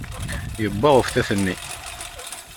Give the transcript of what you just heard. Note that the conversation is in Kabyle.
Yewwa uftat-nni.